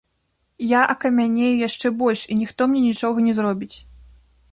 Я акамянею яшчэ больш, і ніхто мне нічога не зробіць.